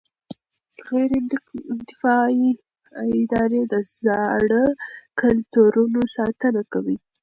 غیر انتفاعي ادارې د زاړه کلتورونو ساتنه کوي.